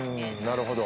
なるほど。